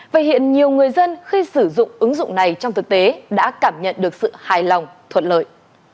và hiện nhiều người dân khi sử dụng ứng dụng này trong thực tế đã cảm nhận được sự hài lòng thuận lợi